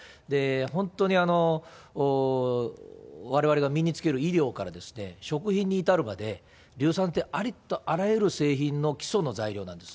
本当にわれわれが身に着ける衣料から食品に至るまで、硫酸って、ありとあらゆる製品の基礎の材料なんです。